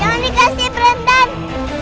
jangan dikasih brandon